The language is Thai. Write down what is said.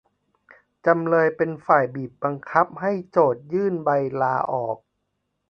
จำเลยเป็นฝ่ายบีบบังคับให้โจทก์ยื่นใบลาออก